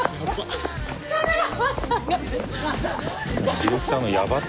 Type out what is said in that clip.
ディレクターのヤバッ！